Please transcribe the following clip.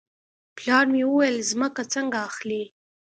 پلار مې وویل ځمکه څنګه اخلې.